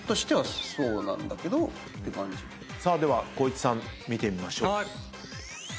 さあでは光一さん見てみましょう。